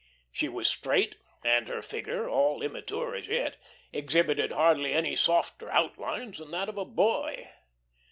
She was straight, and her figure, all immature as yet, exhibited hardly any softer outlines than that of a boy.